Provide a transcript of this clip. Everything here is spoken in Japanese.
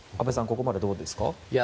ここまでどうですか？